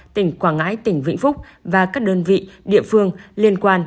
tỉnh quảng ngãi tỉnh vĩnh phúc và các đơn vị địa phương liên quan